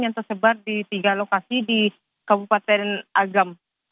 yang tersebar di tiga lokasi di kabupaten agam